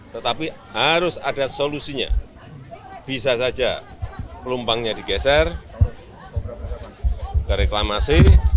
tetapi harus ada solusinya bisa saja pelumpangnya digeser ke reklamasi